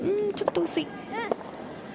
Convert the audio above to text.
ちょっと薄い。